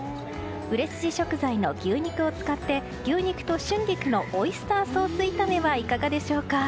売れ筋食材の牛肉を使って牛肉と春菊のオイスターソース炒めはいかがでしょうか。